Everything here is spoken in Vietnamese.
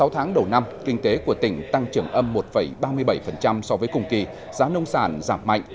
sáu tháng đầu năm kinh tế của tỉnh tăng trưởng âm một ba mươi bảy so với cùng kỳ giá nông sản giảm mạnh